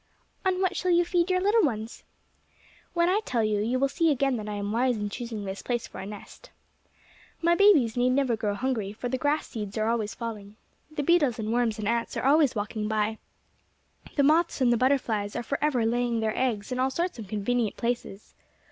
"On what shall you feed your little ones?" "When I tell you, you will see again that I am wise in choosing this place for a nest. "My babies need never grow hungry, for the grass seeds are always falling. The beetles and worms and ants are always walking by. The moths and the butterflies are for ever laying their eggs in all sorts of convenient places.